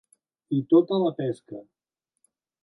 I tota la pesca.